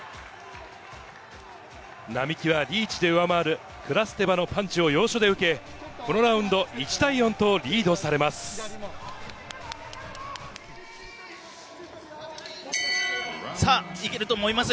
並木はリーチで上回るクラステバのパンチを要所で受け、このラウンド、１対４とリードされます。